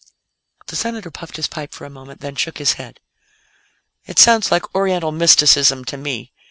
The Senator puffed his pipe for a moment, then shook his head. "It sounds like Oriental mysticism to me.